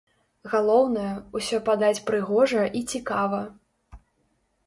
Галоўнае, усё падаць прыгожа і цікава.